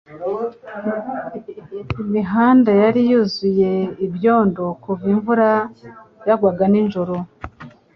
Imihanda yari yuzuye ibyondo kuva imvura yagwaga nijoro.